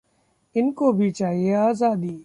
इनको भी चाहिए आजादी...